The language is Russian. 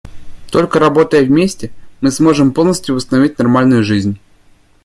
Только работая вместе, мы сможем полностью восстановить нормальную жизнь.